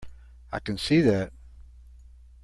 I can see that.